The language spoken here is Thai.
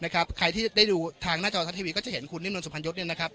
ใครที่ได้ดูทางหน้าจอทัททีวีก็จะเห็นคุณนิ้มนรสุพันยกเนี่ยนะครับ